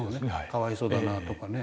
「かわいそうだなぁ」とかね。